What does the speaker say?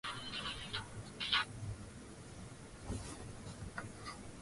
na kujifunza Kiarabu alikubalika lakini Wakristo wenyeji waliotunza